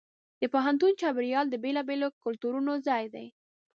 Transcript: د پوهنتون چاپېریال د بېلابېلو کلتورونو ځای دی.